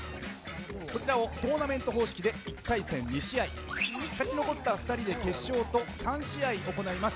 こちらをトーナメント方式で１回戦２試合勝ち残った２人で決勝と３試合を行います。